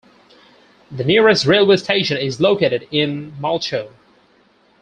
The nearest railway station is located in Malchow.